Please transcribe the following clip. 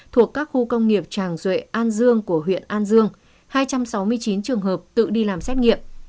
thuộc các khu công nghiệp tràng duệ an dương của huyện an dương hai trăm sáu mươi chín trường hợp tự đi làm xét nghiệm